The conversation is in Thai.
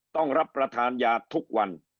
ต้องรับประทานยาทุกวัน